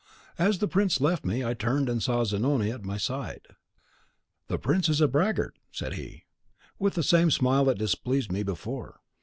As the prince left me, I turned, and saw Zanoni at my side. "'The prince is a braggart,' said he, with the same smile that displeased me before.